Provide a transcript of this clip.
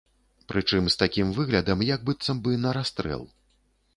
Прычым з такім выглядам, як быццам бы на расстрэл.